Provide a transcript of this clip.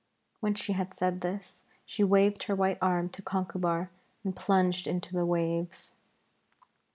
When she had said this, she waved her white arm to Conchubar and plunged into the waves.